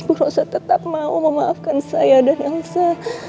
ibu rasa tetap mau memaafkan saya dan elsa